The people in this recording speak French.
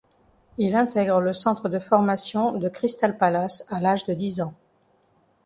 Il intègre le centre de formation de Crystal Palace à l'âge de dix ans.